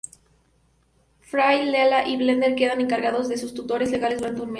Fry, Leela y Bender quedan encargados de ser sus tutores legales durante un mes.